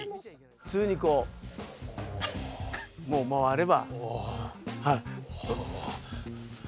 普通にこうもう回れば。